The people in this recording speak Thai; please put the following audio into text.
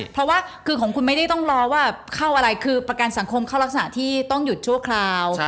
เพราะว่าคือของคุณไม่ได้ต้องรอว่าเข้าอะไรคือประกันสังคมเข้ารักษณะที่ต้องหยุดชั่วคราว